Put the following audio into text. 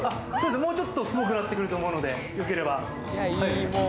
もうちょっと、すごくなってくると思うんで。